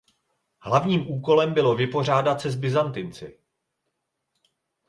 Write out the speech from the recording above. Hlavním úkolem bylo vypořádat se s Byzantinci.